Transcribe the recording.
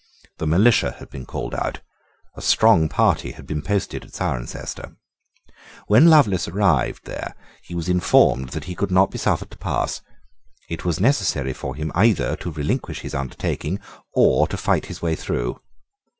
The militia had been called out. A strong party had been posted at Cirencester. When Lovelace arrived there he was informed that he could not be suffered to pass. It was necessary for him either to relinquish his undertaking or to fight his way through.